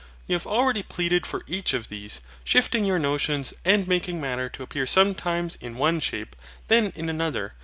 You have already pleaded for each of these, shifting your notions, and making Matter to appear sometimes in one shape, then in another.